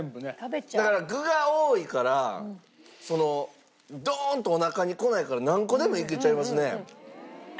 だから具が多いからドーンとおなかに来ないから何個でもいけちゃいますね。